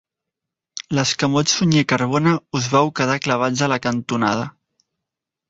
L'escamot Sunyer Carbona us vau quedar clavats a la cantonada.